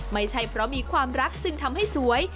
ไม่ใช่เพราะมีความรักจึงทำให้สวย